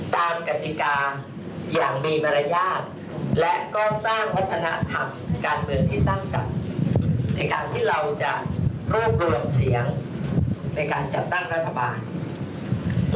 กติกาอย่างมีมารยาทและก็สร้างวัฒนธรรมการเมืองที่สร้างสรรค์ในการที่เราจะรวบรวมเสียงในการจัดตั้งรัฐบาล